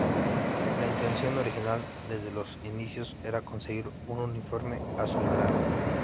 La intención original desde los inicios era conseguir un uniforme azulgrana.